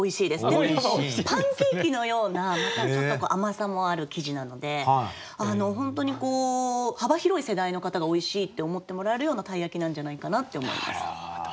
でもパンケーキのようなまたちょっと甘さもある生地なので本当に幅広い世代の方がおいしいって思ってもらえるような鯛焼なんじゃないかなって思います。